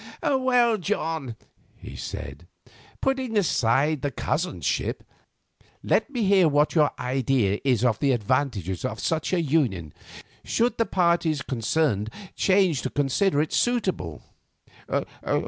"Well, John," he said, "putting aside the cousinship, let me hear what your idea is of the advantages of such a union, should the parties concerned change to consider it suitable."